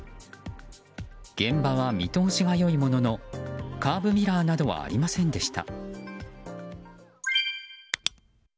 現場は見通しが良いもののカーブミラーなどはありませんでした。